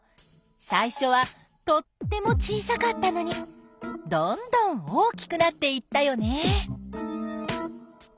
最初はとっても小さかったのにどんどん大きくなっていったよね！